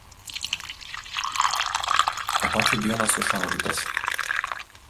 Ta pačią dieną sušaudytas.